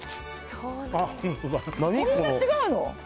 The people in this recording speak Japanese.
こんなに違うの？